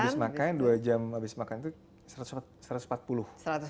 habis makan dua jam habis makan itu satu ratus empat puluh